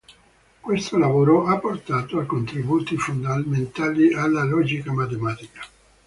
Questo lavoro ha portato a contributi fondamentali alla logica matematica.